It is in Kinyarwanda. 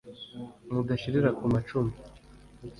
mudashirira ku macumu